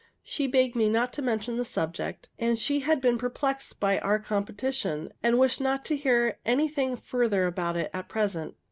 She begged me not to mention the subject, said she had been perplexed by our competition, and wished not to hear any thing further about it at present.